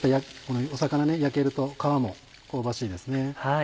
魚焼けると皮も香ばしいですね。